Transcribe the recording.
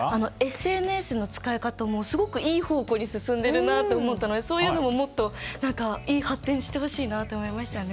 ＳＮＳの使い方もすごくいい方向に進んでるなと思ったのでそういうのももっといい発展してほしいなと思いましたね。